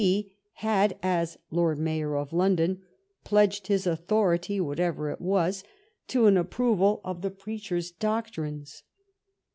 P., had, as Lord Mayor of London, pledged his authority, whatever it was, to an approval of the preacher^s doctrines.